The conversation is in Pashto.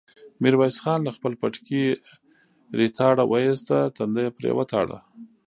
ميرويس خان له خپل پټکي ريتاړه واېسته، تندی يې پرې وتاړه.